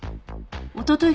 おととい